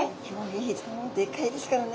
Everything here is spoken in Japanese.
でっかいですからね。